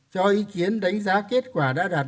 cho ý kiến đánh giá kết quả đã đạt